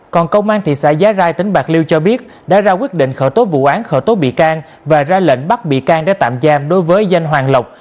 còn công an thị xã giá rai tỉnh bạc liêu cho biết đã ra quyết định khởi tố vụ án khởi tố bị can và ra lệnh bắt bị can để tạm giam đối với danh hoàng lộc